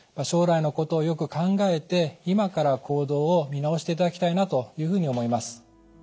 将来のことをよく考えて今から行動を見直していただきたいなというふうに思います。